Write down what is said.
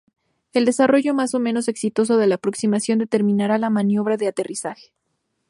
El desarrollo más o menos exitoso de la aproximación determinará la maniobra de aterrizaje.